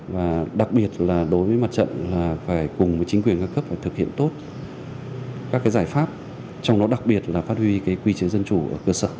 và đặc biệt là đối với mặt trận là phải cùng với chính quyền các cấp phải thực hiện tốt các giải pháp trong đó đặc biệt là phát huy quy chế dân chủ ở cơ sở